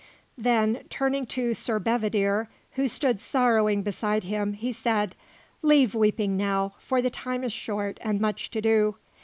Then, turning to Sir Bedivere, who stood sorrowing beside him, he said: "Leave weeping now, for the time is short and much to do.